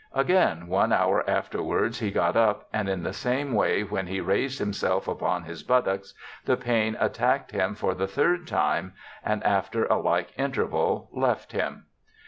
Again one hour afterwards he got up, and in the same way when he raised himself upon his buttocks the pain attacked him for the third time, and after a like interval left him.